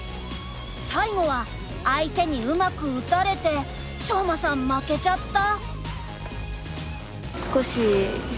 最後は相手にうまく打たれて翔舞さん負けちゃった。